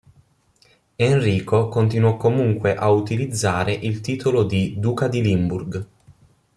Enrico Continuò comunque a utilizzare il titolo di "Duca di Limburg".